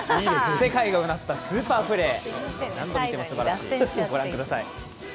世界がうなったスーパープレー何度見てもすばらしい。